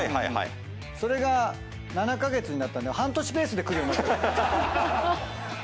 それが７カ月になったんで半年ペースで来るように。